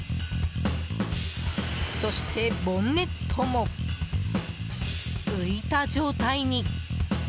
そしてボンネットも浮いた状態に。